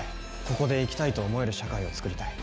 ここで生きたいと思える社会を作りたい。